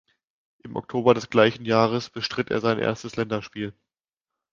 Im Oktober des gleichen Jahres bestritt er sein erstes Länderspiel.